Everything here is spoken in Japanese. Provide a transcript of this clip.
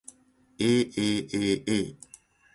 aaaa